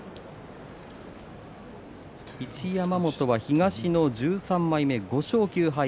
一山本は東の１３枚目５勝９敗。